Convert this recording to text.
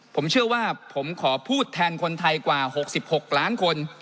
ผมเชื่อว่าผมขอพูดแทนคนไทยกว่า๖๖ล้านคน